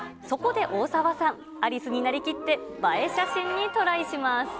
そこで大沢さん、アリスになりきって映え写真にトライします。